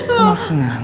kamu harus senang